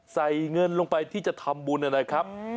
ใส่เงินลงไปที่จะทำบุญนะครับ